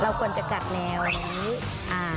เราควรจะกัดแนวนี้